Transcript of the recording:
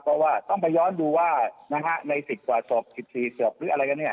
เพราะว่าต้องไปย้อนดูว่านะฮะใน๑๐กว่าศพ๑๔ศพหรืออะไรกันเนี่ย